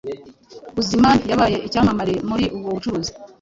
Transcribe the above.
Guzman yabaye icyamamare muri ubwo bucuruzi,